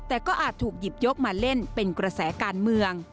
แต่ก็อาจถูกหยิบยกมาเล่นเป็นกระแสการเมือง